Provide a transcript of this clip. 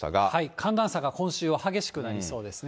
寒暖差が今週は激しくなりそうですね。